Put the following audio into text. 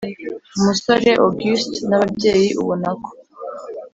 musore august n’ababyeyi ubonako